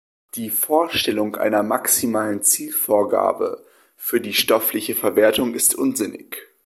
Die Vorstellung einer maximalen Zielvorgabe für die stoffliche Verwertung ist unsinnig.